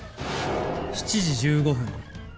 ７時１５分。